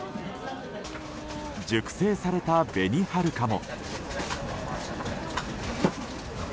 熟成された紅はるかも。